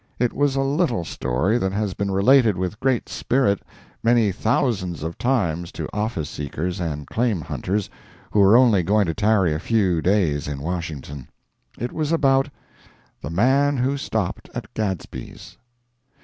It was a little story that has been related with great spirit many thousands of times to office seekers and claim hunters who were only going to tarry a few days in Washington. It was about THE MAN WHO STOPPED AT GADSBY'S.